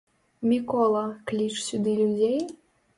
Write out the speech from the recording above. Мікола, кліч сюды людзей?